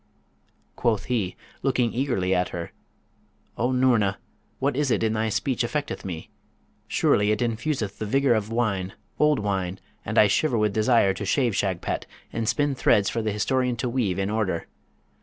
Quoth he, looking eagerly at her, 'O Noorna, what is it in thy speech affecteth me? Surely it infuseth the vigour of wine, old wine; and I shiver with desire to shave Shagpat, and spin threads for the historian to weave in order.